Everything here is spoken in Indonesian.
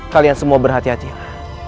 kalian semua berhati hatilah